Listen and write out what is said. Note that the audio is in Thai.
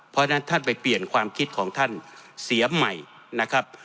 เพราะฉะนั้นท่านไปเปลี่ยนความคิดของท่านเสียใหม่นะครับ